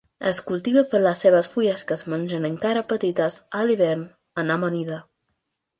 Es cultiva per les seves fulles que es mengen encara petites a l'hivern en amanida.